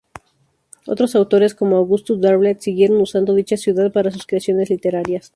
Otros autores, como August Derleth siguieron usando dicha ciudad para sus creaciones literarias.